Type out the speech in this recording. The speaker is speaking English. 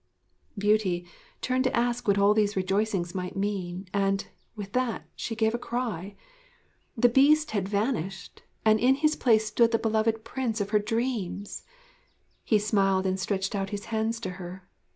Beauty turned to ask what all these rejoicings might mean; and, with that, she gave a cry. The Beast had vanished, and in his place stood the beloved Prince of her dreams! He smiled and stretched out his hands to her.